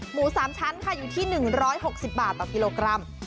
หมู๓ชั้นค่ะอยู่ที่๑๖๐บาทต่อกิโลกรัม